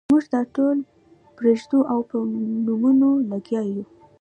موږ دا ټول پرېږدو او په نومونو لګیا یو.